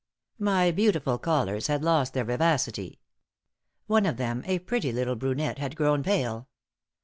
My beautiful callers had lost their vivacity. One of them a pretty little brunette had grown pale.